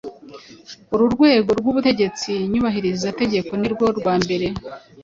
Uru rwego rw’Ubutegetsi Nyubahirizategeko ni rwo rwa mbere